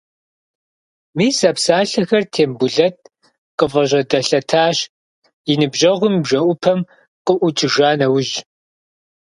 Мис а псалъэхэр Тембулэт къыфӏыжьэдэлъэтащ, и ныбжьэгъум и бжэӏупэм къыӏукӏыжа нэужь.